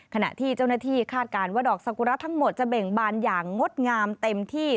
ขณะที่เจ้าหน้าที่คาดการณ์ว่าดอกสกุระทั้งหมดจะเบ่งบานอย่างงดงามเต็มที่